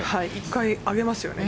１回、上げますよね。